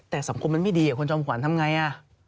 แต่สัมคมมันไม่ดีคนจอมขวานทำอย่างไร